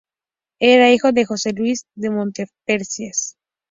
Era hijo de Luis I de Montpensier.